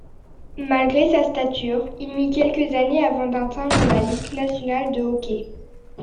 Malgré sa stature, il mit quelques années avant d'atteindre la Ligue nationale de hockey.